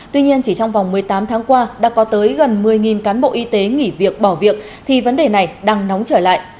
tuy nhiên chỉ trong vòng một mươi tám tháng qua đã có tới gần một mươi cán bộ y tế nghỉ việc bỏ việc thì vấn đề này đang nóng trở lại